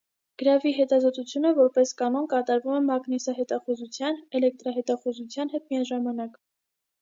Գրավի հետազոտությունը որպես կանոն, կատարվում է մագնիսահետախուզության, էլեկտարահետախուզության հետ միաժամանակ։